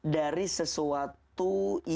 dari sesuatu yang